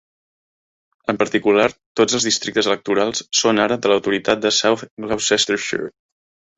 En particular, tots els districtes electorals són ara de l'autoritat de South Gloucestershire.